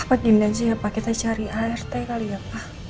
apa gini aja ya pak kita cari art kali ya pak